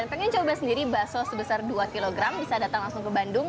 pengen coba sendiri bakso sebesar dua kg bisa datang langsung ke bandung